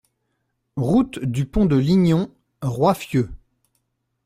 Route du Pont de Lignon, Roiffieux